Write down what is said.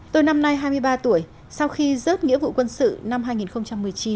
tôi năm nay hai mươi ba tuổi sau khi rớt nghĩa vụ quân sự năm hai nghìn một mươi chín